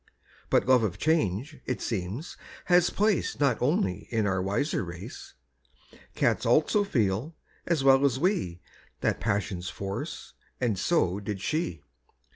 But love of change, it seems, has place Not only in our wiser race; Cats also feel, as well as we, That passion's force, and so did she.